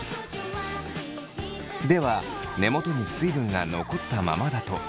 では根元に水分が残ったままだとどうなるのか？